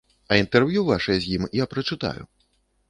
А інтэрв'ю вашае з ім я прачытаю.